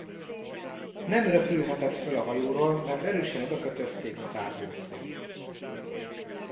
Nem röpülhetett föl a hajóról, mert erősen odakötözték az árbochoz.